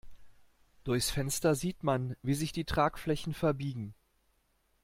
Durchs Fenster sieht man, wie sich die Tragflächen verbiegen.